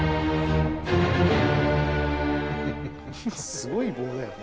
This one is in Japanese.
すごい棒だよね。